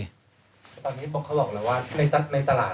แต่ตอนนี้ปกครองแล้วว่าในตลาด